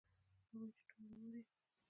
هغـې چـې ټـول عـمر يـې